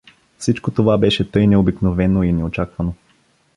Всичко това беше тъй необикновено и неочаквано!